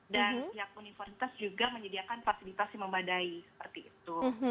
dan pihak universitas juga menyediakan fasilitasi membadai seperti itu